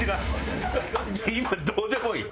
今どうでもいい！